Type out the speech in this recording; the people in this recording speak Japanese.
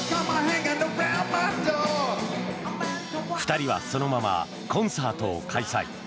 ２人はそのままコンサートを開催。